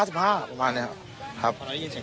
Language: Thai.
รถสตาร์ทอยู่ของใครครับ